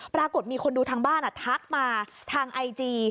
ปรากฏมีคนดูทางบ้านทักมาทางไอจี